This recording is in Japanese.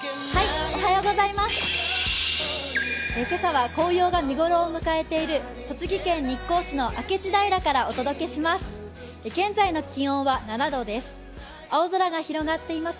今朝は紅葉が見頃を迎えている栃木県日光市の明智平からお届けします。